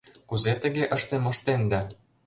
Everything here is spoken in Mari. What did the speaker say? Кузе тыге ыштен моштенда?